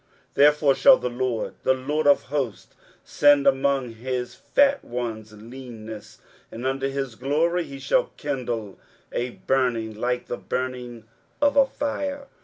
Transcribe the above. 23:010:016 Therefore shall the Lord, the Lord of hosts, send among his fat ones leanness; and under his glory he shall kindle a burning like the burning of a fire.